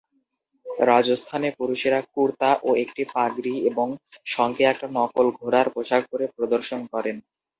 রাজস্থানে পুরুষেরা "কুর্তা" ও একটা পাগড়ি, এবং সঙ্গে একটা নকল ঘোড়ার পোশাক পরে প্রদর্শন করেন।